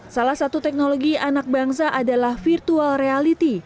salah satu teknologi anak bangsa adalah virtual reality